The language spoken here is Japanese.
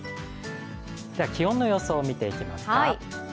気温の予想、見ていきますか。